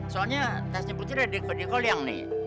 soalnya tasnya putri udah dikode kode yang nih